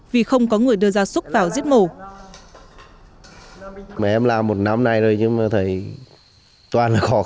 vì không có người đưa ra sốc vào giết mổ